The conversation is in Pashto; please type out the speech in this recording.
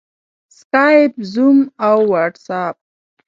سکایپ، زوم او واټساپ